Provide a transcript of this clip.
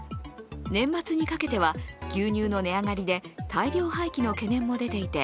年末にかけては、牛乳の値上がりで大量廃棄の懸念も出ていて